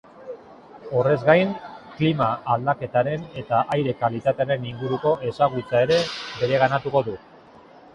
Horrez gain, klima aldaketaren eta aire kalitatearen inguruko ezagutza ere bereganatuko du.